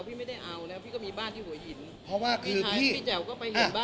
พี่ไม่ได้เอาแล้วพี่ก็มีบ้านที่หัวหินเพราะว่าพี่ชายพี่แจ๋วก็ไปเห็นบ้าน